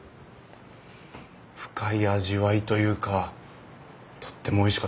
深い味わいというかとってもおいしかったです。